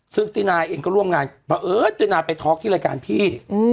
ซึ่งตินาเองก็ร่วมงานเพราะเอิญตินาไปท็อกที่รายการพี่